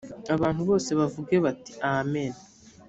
abantu bose bavuge bati amen